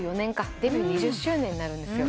デビュー２０周年になるんですよ。